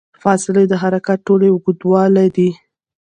فاصلې د حرکت ټول اوږدوالی دی.